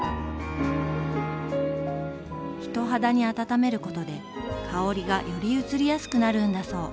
人肌に温めることで香りがよりうつりやすくなるんだそう。